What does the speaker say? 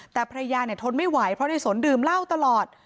แต่ภรรยาเนี่ยทนไม่ไหวเพราะในศรดื่มเล่าตลอด